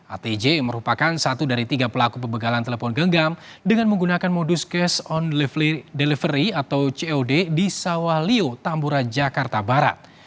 atj merupakan satu dari tiga pelaku pembegalan telepon genggam dengan menggunakan modus cash on delivery atau cod di sawalio tambora jakarta barat